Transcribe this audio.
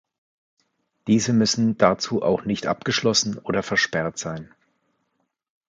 Diese müssen dazu auch nicht abgeschlossen oder versperrt sein.